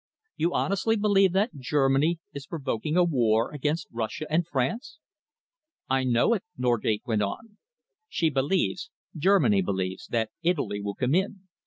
You honestly believe that Germany is provoking a war against Russia and France?" "I know it," Norgate went on. "She believes Germany believes that Italy will come in.